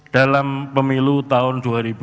dalam pemilu tahun dua ribu dua puluh